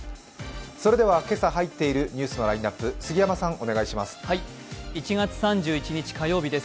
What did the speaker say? それでは今朝入っているニュースのラインナップ、お願いします。